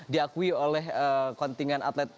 diakui oleh kontingen atlet